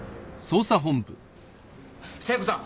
聖子さん！